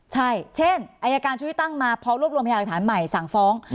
ใช่เช่นอายการชุวิตตั้งมาพร้อมรวบรวมพยาหลักฐานใหม่สั่งฟ้อง